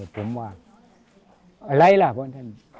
ผมว่าอะไรล่ะของท่าน